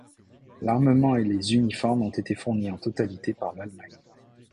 L'armement et les uniformes ont été fournis en totalité par l'Allemagne.